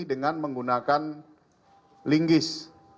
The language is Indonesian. dengan menggunakan linggis